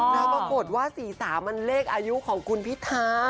แล้วปรากฏว่า๔๓มันเลขอายุของคุณพิธา